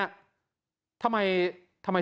ทำไมเธอออกมาตอนนี้เธอมาพูดทำไมเนี่ยมันเสียหายกับเธอหรือเปล่า